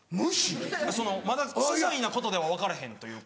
そのまだささいなことでは分からへんというか。